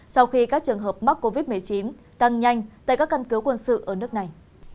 sau khi các trường hợp mắc covid một mươi chín tăng nhanh tại các căn cứ quân sự ở nước này